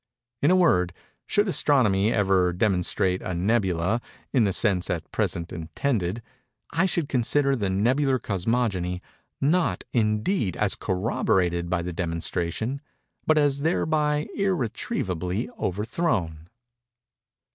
—In a word, should Astronomy ever demonstrate a "nebula," in the sense at present intended, I should consider the Nebular Cosmogony—not, indeed, as corroborated by the demonstration—but as thereby irretrievably overthrown.